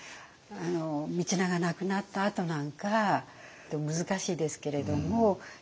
道長亡くなったあとなんか難しいですけれども。